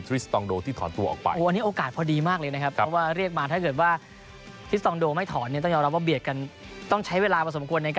เรื่องของการฝึกซ้อมรายวัฒน์นั้นก็จะต้อง